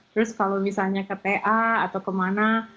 terus kalau misalnya ke ta atau kemana